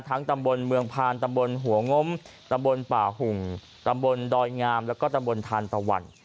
ตำบลเมืองพานตำบลหัวง้มตำบลป่าหุ่งตำบลดอยงามแล้วก็ตำบลทานตะวัน